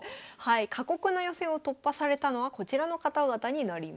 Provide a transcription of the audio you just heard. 過酷な予選を突破されたのはこちらの方々になります。